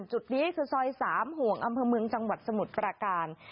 จุดนี้คือซอย๓ห่วงอำเภอเมืองจังหวัดสมุทรประการ